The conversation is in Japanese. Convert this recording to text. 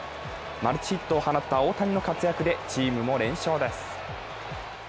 マルチヒットを放った大谷の活躍でチームも連勝です。